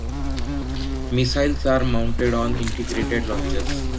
Missiles are mounted on integrated launchers.